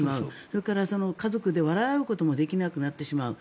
それから家族で笑うこともできなくなってしまう。